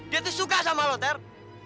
dia tuh suka sama lu ter